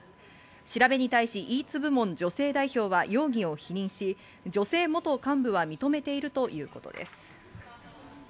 調べに対し、イーツ部門女性代表は容疑を否認し、女性元幹部は認めているということです。